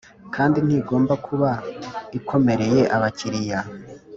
Kandi ntigomba kuba ikomereye abakiriya